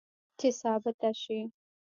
چې ثابته شي